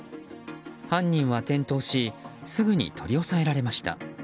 犯人は転倒しすぐに取り押さえられました。